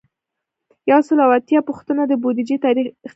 یو سل او اتیایمه پوښتنه د بودیجې تاریخچه ده.